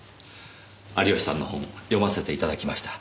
有吉さんの本読ませていただきました。